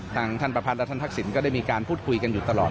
ทางท่านประพัทธและท่านทักษิณก็ได้มีการพูดคุยกันอยู่ตลอด